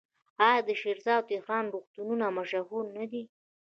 آیا د شیراز او تهران روغتونونه مشهور نه دي؟